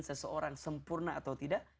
seseorang sempurna atau tidak